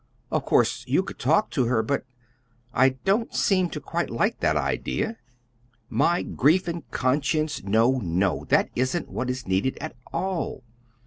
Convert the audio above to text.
Of course you could talk to her, but I don't seem to quite like that idea." "My grief and conscience no, no! That isn't what is needed at all.